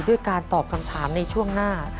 ด้วยการตอบคำถามในช่วงหน้า